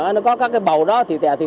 nó có các cái bầu đó thì tè thiền